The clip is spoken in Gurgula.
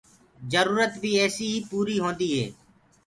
جرورت بيٚ ايسي ئي پوريٚ هونديٚ هي